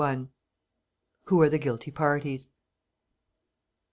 WHO ARE THE GUILTY PARTIES?